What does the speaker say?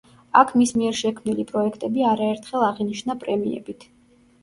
აქ მის მიერ შექმნილი პროექტები არაერთხელ აღინიშნა პრემიებით.